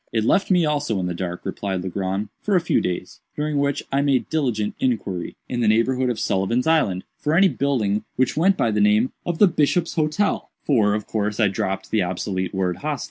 "It left me also in the dark," replied Legrand, "for a few days; during which I made diligent inquiry, in the neighborhood of Sullivan's Island, for any building which went by the name of the 'Bishop's Hotel;' for, of course, I dropped the obsolete word 'hostel.